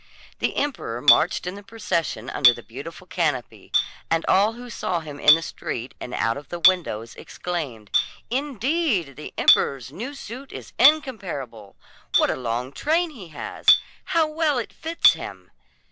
The emperor marched in the procession under the beautiful canopy, and all who saw him in the street and out of the windows exclaimed: "Indeed, the emperor's new suit is incomparable! What a long train he has! How well it fits him!"